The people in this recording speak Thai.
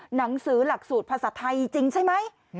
หนังสือหลักสูตรภาษาไทยจริงใช่ไหม